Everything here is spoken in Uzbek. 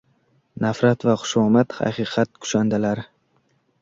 Nafrat va xushomad — haqiqat kushandalari.